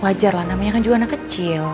wajar lah namanya kan juga anak kecil